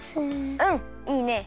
うんいいね。